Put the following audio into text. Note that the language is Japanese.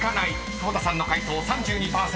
［久保田さんの解答３２％］